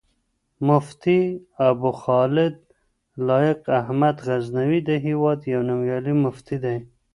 مفتي ابوخالد لائق احمد غزنوي، د هېواد يو نوميالی مفتی دی